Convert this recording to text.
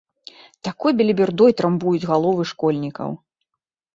Такой белібердой трамбуюць галовы школьнікаў.